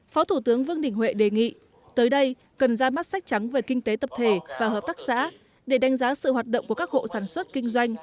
phó thủ tướng vương đình huệ đề nghị tới đây cần ra mắt sách trắng về kinh tế tập thể và hợp tác xã để đánh giá sự hoạt động của các hộ sản xuất kinh doanh